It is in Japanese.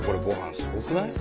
すごくない？